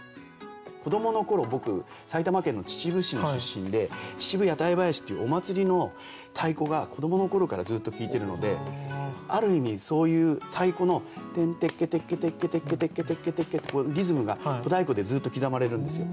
子どもの頃僕埼玉県の秩父市の出身で秩父屋台囃子っていうお祭りの太鼓が子どもの頃からずっと聴いてるのである意味そういう太鼓の「テンテケテケテケテケテケテケテケ」ってこういうリズムが小太鼓でずっと刻まれるんですよ。